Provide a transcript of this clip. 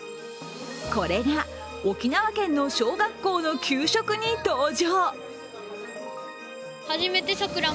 これが沖縄県の小学校の給食に登場。